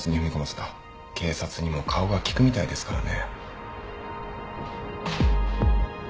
警察にも顔が利くみたいですからね。